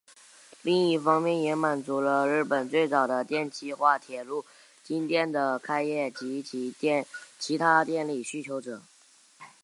另一方面也满足了日本最早的电气化铁路京电的开业及其他电力需求者。